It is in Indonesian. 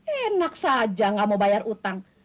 enak saja gak mau bayar utang